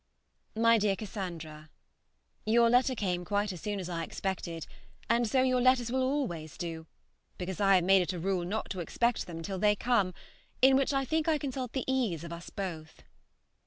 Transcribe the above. MY DEAR CASSANDRA, Your letter came quite as soon as I expected, and so your letters will always do, because I have made it a rule not to expect them till they come, in which I think I consult the ease of us both.